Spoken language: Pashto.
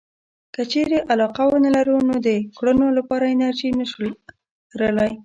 که چېرې علاقه ونه لرو نو د کړنو لپاره انرژي نشو لرلای.